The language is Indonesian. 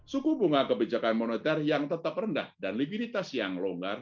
suku bunga kebijakan moneter yang tetap rendah dan likuiditas yang longgar